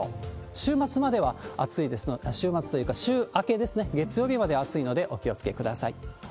週末までは暑いですので、週末というか、週明けですね、月曜日まで暑いので、お気をつけください。